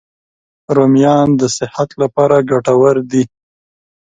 رومیان د صحت لپاره ګټور دي